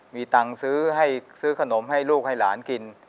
มีตังค์ซื้อให้ซื้อขนมให้ลูกให้หลานกิน